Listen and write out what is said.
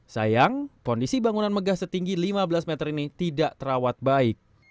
sayang kondisi bangunan megah setinggi lima belas meter ini tidak terawat baik